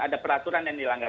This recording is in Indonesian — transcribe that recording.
ada peraturan yang dilanggar